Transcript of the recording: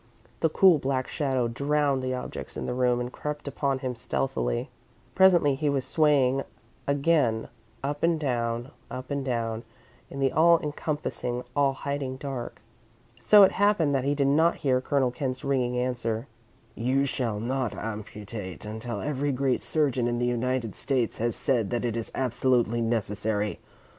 The cool black shadow drowned the objects in the room and crept upon him stealthily. Presently he was swaying again, up and down, up and down, in the all encompassing, all hiding dark. So it happened that he did not hear Colonel Kent's ringing answer: "You shall not amputate until every great surgeon in the United States has said that it is absolutely necessary.